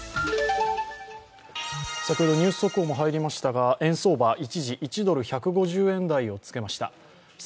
先ほどニュース速報も入りましたが円相場一時１ドル＝１５０円台をつけました。